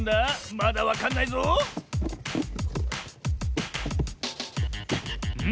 まだわかんないぞん？